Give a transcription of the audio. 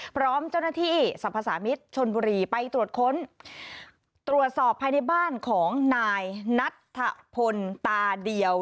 พร้อมเจ้าหน้าที่สรรพสามิตรชนบุรีไปตรวจค้นตรวจสอบภายในบ้านของนายนัทธพลตาเดียว